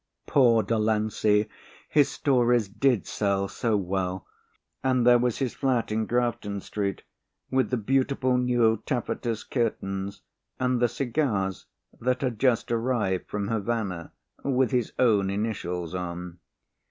Poor Delancey, his stories did sell so well! And there was his flat in Grafton Street with the beautiful new taffetas curtains and the cigars that had just arrived from Havana, with his own initials on.